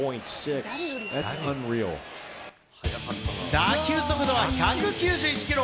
打球速度は１９１キロ！